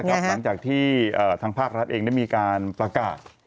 หลังจากที่ทางภาครัฐเองได้มีการประกาศ